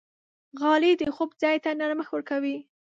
غالۍ د خوب ځای ته نرمښت ورکوي.